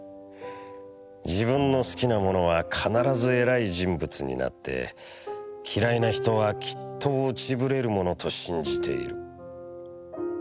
自分の好きなものは必ずえらい人物になって、嫌いなひとはきっと落ち振れるものと信じている。